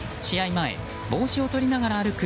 前、帽子を取りながら歩く